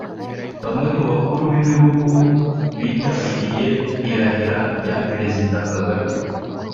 bamwe mu bakuru b’ibihugu bitabiriye irahira rya Perezida Kagame